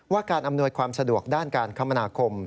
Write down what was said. การอำนวยความสะดวกด้านการคมนาคม